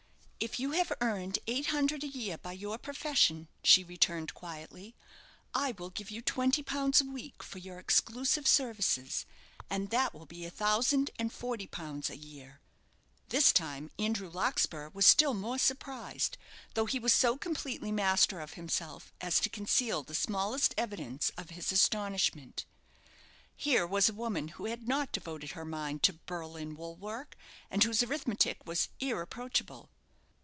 "If you have earned eight hundred a year by your profession," she returned, quietly, "I will give you twenty pounds a week for your exclusive services, and that will be a thousand and forty pounds a year." This time, Andrew Larkspur was still more surprised, though he was so completely master of himself as to conceal the smallest evidence of his astonishment. Here was a woman who had not devoted her mind to Berlin wool work, and whose arithmetic was irreproachable!